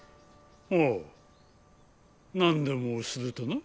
ほう何でもするとな？